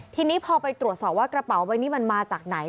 ทีนี้พอไปตรวจสอบว่ากระเป๋าใบนี้มันมาจากไหน